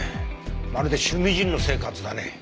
まるで趣味人の生活だね。